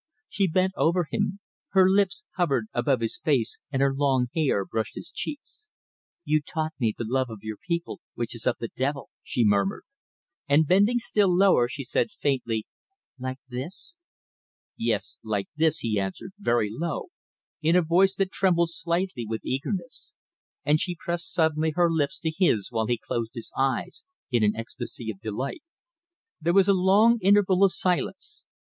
She bent over him. Her lips hovered above his face and her long hair brushed his cheeks. "You taught me the love of your people which is of the Devil," she murmured, and bending still lower, she said faintly, "Like this?" "Yes, like this!" he answered very low, in a voice that trembled slightly with eagerness; and she pressed suddenly her lips to his while he closed his eyes in an ecstasy of delight. There was a long interval of silence.